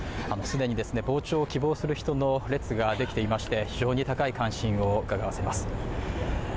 既にですね傍聴を希望する人の列ができていまして非常に高い関心をうかがわせます。